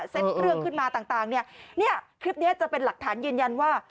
เสร็จเรื่องขึ้นมาต่างเนี่ยคลิปนี้จะเป็นหลักฐานยืนยันว่า